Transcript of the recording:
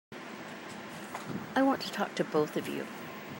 I want to talk to both of you.